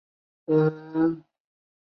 对讲机是此类通信方式的例子之一。